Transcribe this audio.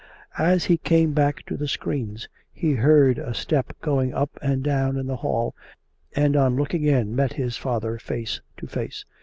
As he came back to the screens he heard a step going up and down in the hall, and on looking in met his father face to face.